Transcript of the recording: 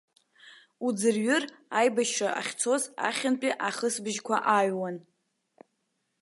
Уӡырҩыр, аибашьра ахьцоз ахьынтәи ахысыбжьқәа ааҩуан.